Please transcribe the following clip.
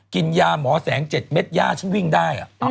กินยาหมอแสง๗เม็ดย่าฉันวิ่งได้